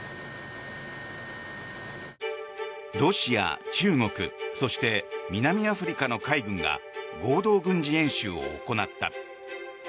ロシア、中国そして南アフリカの海軍が合同軍事演習を行った。